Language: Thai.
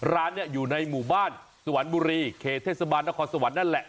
ร้านนี้อยู่ในหมู่บ้านสวรรค์บุรีเขตเทศบาลนครสวรรค์นั่นแหละ